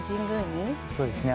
そうですね